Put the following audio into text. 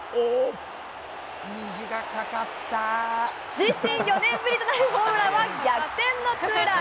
自身４年ぶりとなるホームランは逆転のツーラン。